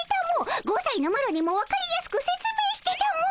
５さいのマロにもわかりやすくせつ明してたも！